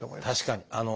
確かに。